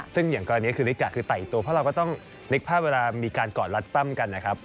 ซึ่งอย่างกรณีคือลิกะคือไต่ตัวเพราะเราก็ต้องนึกภาพเวลามีการกอดรัดปั้มกันนะครับ